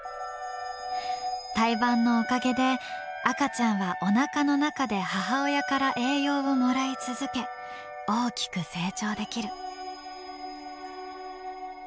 胎盤のおかげで赤ちゃんはおなかの中で母親から栄養をもらい続け大きく成長できる。